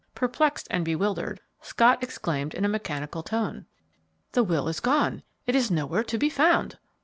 Perplexed and bewildered, Scott exclaimed in a mechanical tone, "The will is gone; it is nowhere to be found!"